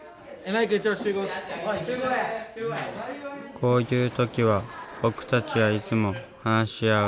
こういう時は僕たちはいつも話し合う。